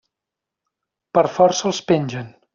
Per força els pengen.